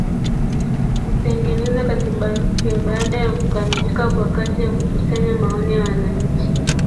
Kutengeneza Katiba mpya baada ya kukamilika kwa kazi ya kukusanya maoni ya wananchi